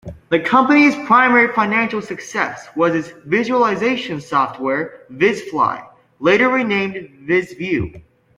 The company's primary financial success was its visualization software VisFly, later renamed VisView.